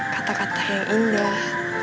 kata kata yang indah